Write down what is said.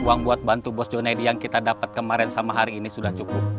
uang buat bantu bos jonadi yang kita dapat kemarin sama hari ini sudah cukup